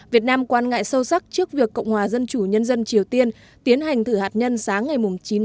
việt nam quan ngại sâu sắc trước việc cộng hòa dân chủ nhân dân triều tiên tiến hành thử hạt nhân sáng ngày chín chín hai nghìn một mươi sáu